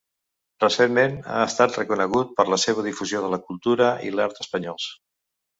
Recentment, ha estat reconegut per la seva difusió de la cultura i l'art espanyols.